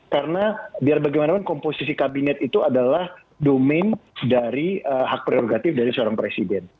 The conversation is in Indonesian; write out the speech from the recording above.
karena biar bagaimanapun komposisi kabinet itu adalah domain dari hak prerogatif dari seorang presiden